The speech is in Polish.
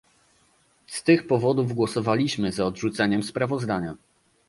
Z tych powodów głosowaliśmy za odrzuceniem sprawozdania